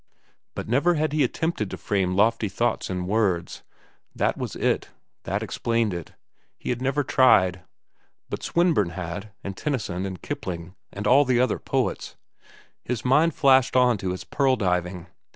But never had he attempted to frame lofty thoughts in words. That was it. That explained it. He had never tried. But Swinburne had, and Tennyson, and Kipling, and all the other poets. His mind flashed on to his "Pearl diving."